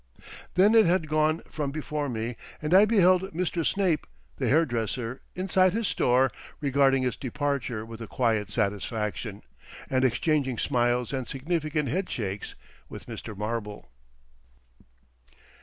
Then it had gone from before me and I beheld Mr. Snape, the hairdresser, inside his store regarding its departure with a quiet satisfaction and exchanging smiles and significant headshakes with Mr. Marbel.